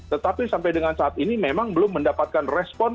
tetapi sampai dengan saat ini memang belum mendapatkan respon